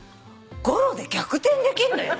ゴロで逆転できんのよ。